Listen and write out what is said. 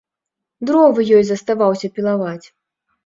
Дровы ёй заставаўся пілаваць.